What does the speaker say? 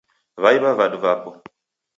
W'aiw'a vadu vapo.